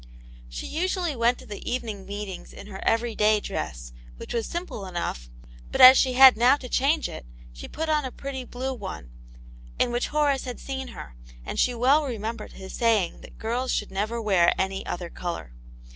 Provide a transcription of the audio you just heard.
She usually went to the evening meetings in her every day dress, which was simple enough, but as she had now to change it, she put on a pretty blue one, in which Horace had seen her, and she well remembered his saying that girls should never wear any other colour.